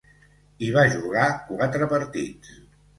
Hi va jugar quatre partits.